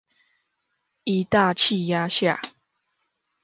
一大氣壓下